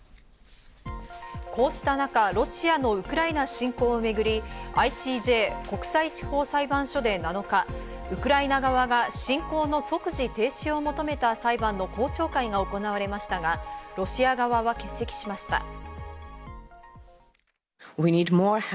こうした中、ロシアのウクライナ侵攻をめぐりＩＣＪ＝国際司法裁判所で７日、ウクライナ側が侵攻の即時停止を求めた裁判の公聴会が行われましたが、ロシア側は欠席しました。